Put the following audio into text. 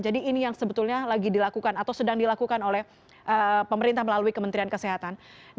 jadi ini yang sebetulnya sedang dilakukan oleh pemerintah melalui kementerian kesehatan